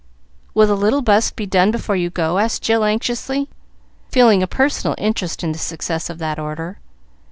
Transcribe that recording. "Will the little bust be done before you go?" asked Jill, anxiously, feeling a personal interest in the success of that order.